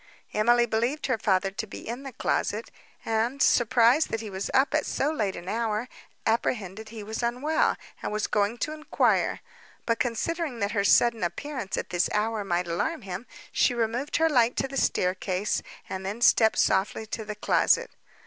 Emily believed her father to be in the closet, and, surprised that he was up at so late an hour, apprehended he was unwell, and was going to enquire; but, considering that her sudden appearance at this hour might alarm him, she removed her light to the staircase, and then stepped softly to the closet.